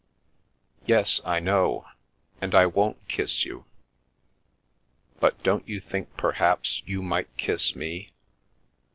"Yes, I know. And I won't kiss you. But don't you think perhaps you might kiss me?